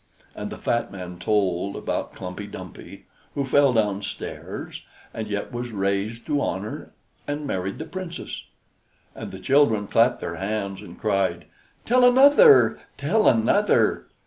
And the fat man told about Klumpey Dumpey who fell downstairs, and yet was raised to honor and married the Princess. And the children clapped their hands, and cried, "Tell another! tell another!"